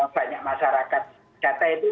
banyak masyarakat data itu